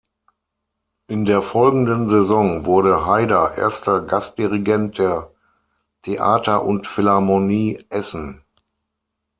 In der folgenden Saison wurde Haider Erster Gastdirigent der Theater und Philharmonie Essen.